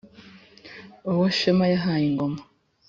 uwo shema yahaye ingoma